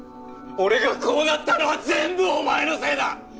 俺がこうなったのは全部お前のせいだ！